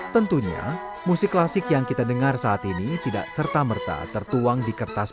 tentunya musik klasik yang kita dengar saat ini tidak serta merta tertuang di kertas